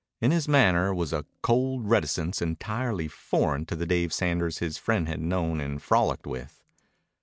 In his manner was a cold reticence entirely foreign to the Dave Sanders his friend had known and frolicked with.